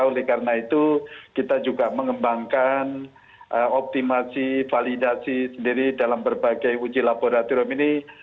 oleh karena itu kita juga mengembangkan optimasi validasi sendiri dalam berbagai uji laboratorium ini